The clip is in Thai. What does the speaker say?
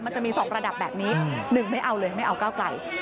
มันจะมี๒ระดับแบบนี้๑ไม่เอาเลยไม่เอาก้าวไกล